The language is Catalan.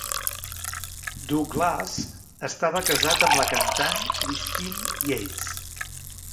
Douglass estava casat amb la cantant Christine Yates.